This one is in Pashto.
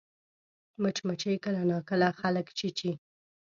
مچمچۍ کله ناکله خلک چیچي